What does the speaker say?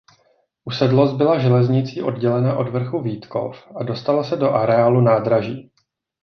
Usedlost byla železnicí oddělena od vrchu Vítkov a dostala se do areálu nádraží.